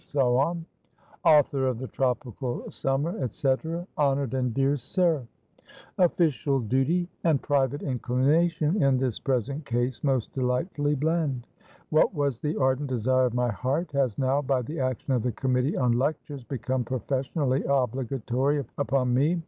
"Author of the 'Tropical Summer,' &c. "HONORED AND DEAR SIR: "Official duty and private inclination in this present case most delightfully blend. What was the ardent desire of my heart, has now by the action of the Committee on Lectures become professionally obligatory upon me.